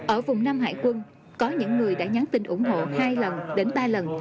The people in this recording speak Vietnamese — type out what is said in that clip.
ở vùng nam hải quân có những người đã nhắn tin ủng hộ hai lần đến ba lần